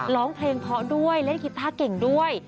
ร้องเพลงเพราะด้วยเล่นกีต้าเก่งด้วย